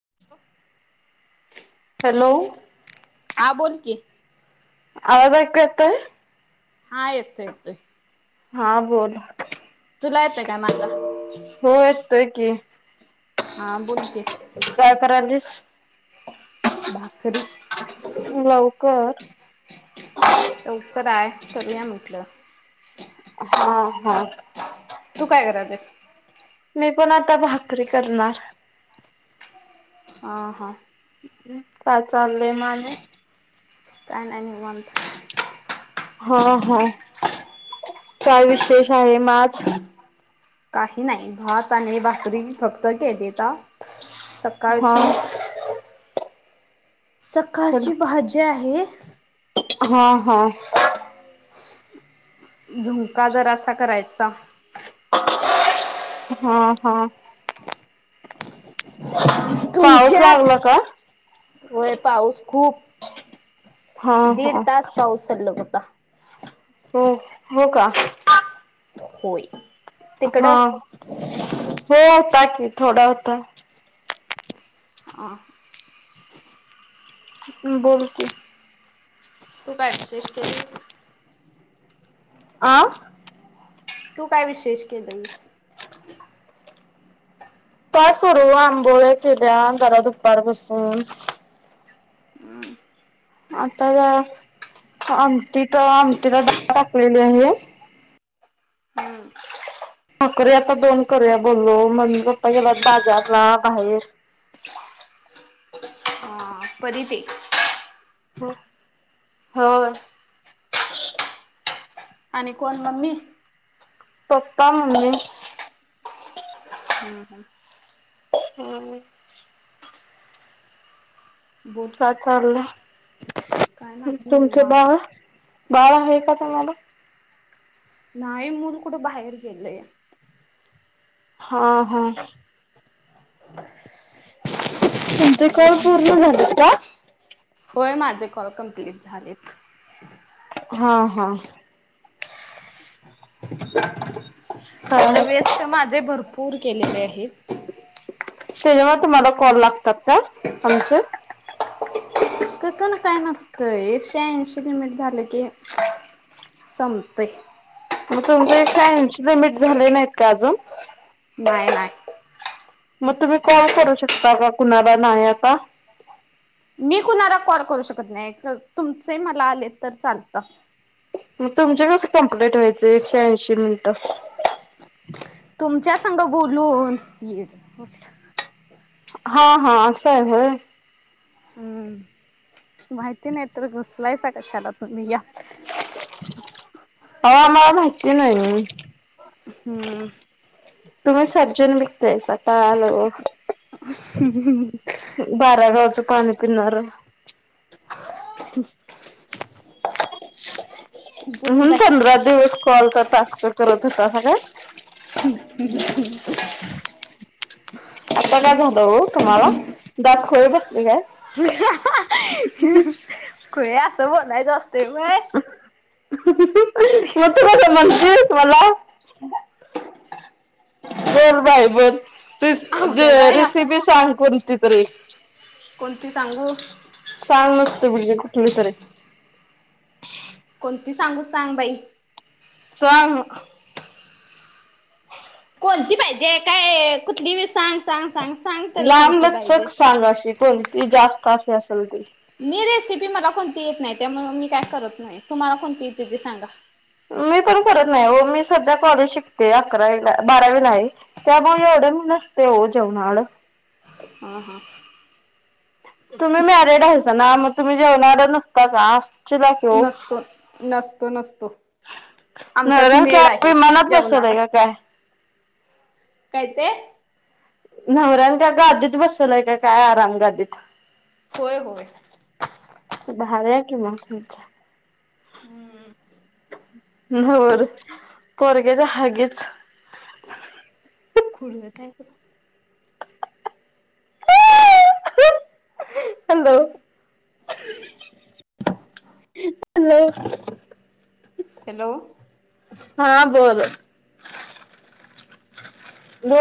[unintelligible] Hello हा बोल की, अवाज ऐकू येतय. हा येतो येतोय. हा बोल तुला येतंय काय माझा. हो येतोय की हा बोल की, काय करायलीस [unintelligible] भाकरी कर लवकर ॲड करूया म्हटलं हा हा तू काय करायलीस? मी पण आता भाकरी करणार हा हा काय चाललं माज काय नाय निवांत हो हो काय विशेष आहे म आज? काही नाही भात आणि भाकरी फक्त केली आता हा सकाळची सकाळची भाजी आहे हा हा झुणका जरासा करायचा हा हा पाऊस तुमच्यात, लागला का व्हय पाऊस खूप हा दीड हा तास पाऊस चाल्ल होता हो हो का? होय. हा तिकडं होता की थोडा होता. [inaudible] बोल की तू काय विशेष केलयस? आअ तू काय विशेष केलंईस? फार सरू आंबोळ केल्या जरा दुपार बसून आताला आमटीत आमटीला डाळ टाकलेली आहे. हम्म भाकरी आता दोन करूया बोललो म्हण आता गेलात बाजारला बाहेर अन परी ते हो हं आणि कोण मम्मी? पंप्पा मंम्मी हम हं हम् बोल काय चालय? काय नाही तुमचे निवांत बाळ? बाळा आहे का तुम्हाला? नाही मूल कुठं बाहेर गेलेया हा हा [unintelligible] [inaudible] होय, माझे कॉल कम्प्लीट झालेत. हा. हा. [unintelligible] त्याच्यामुळे [unintelligible] [inaudible] [unintelligible] तुम्हाला कॉल लागतात का? आमचं, तसं न, काय नसतंय एकशे ऐंशी लिमिट झालं की संपतेय. म तुमचं एकेशऐशी लिमिट झाले नाहीत का? अजून? [inaudible] मग तुम्ही कॉल करू शकता का? कुणाला नाही आता. मी कुणाला कॉल करू शकत नाही. तुमचे मला आले, तर चालता. म तुमचे कसे कम्प्लीट व्हायचे एकेशे ऐंशी मिनटं? तुमच्या संग बोलून... हा. हा... असं आहे. व्हय? हम्म, माहिती नाही, तर घुसलायचा कशाला? तुम्ही या! [unintelligible] हूम - [unintelligible] [unintelligible] [unintelligible] [unintelligible] [unintelligible] बोल बाई. आता काय झालं हो तुम्हाला? दातखिळी बस [unintelligible] खुळे असं बोलायचं असतंय मग. [unintelligible] मग तू कशाला म्हणशील. मला. बोल बाई बोल. अवघड आहे हा. रेसिपी सांग कोणती. कोणती सांगू? [inaudible] सांग नुसत बाई ग कुठलीतरी. कोणती सांगू? सांग, बाई. सांग. [unintelligible] कोणती पाहिजे? काय कुठली बी सांग. सांग सांग सांग तरी कोणती पाहिजे. लांब-लचक सांग अशी. कोणती जास्त अस असेल ती. मी रेसिपी मला कोणती येत नाही? त्यामुळं मी काय करत नाही तुम्हाला कोणती येते ते सांगा? मी पण करत नाही हो, मी सध्या कॉलेज शिकते, अकरावीला बारावीला आहे, त्यामुळे एवढं मी नसते हो जेवणाकड ह हा तुम्ही मॅरेड हाईसा ना? मग तुम्ही जेवकडे नसता का? असचीला की ओ. नसतो, नसतो, नसतो आमच्यात नवऱ्यानं मेड काय आहे विमानात जेवणाला. बसवलंय का काय? काय ते? नवऱ्यानं काय गादीत बसवलाय क काय आराम गादीत? होय होय. भारी आहे की मग मज्जा. हम्म [inaudible] पोरग्याचं हगीज [unintelligible] [unintelligible] हॅलो? हॅलो? हॅलो? हां बोल.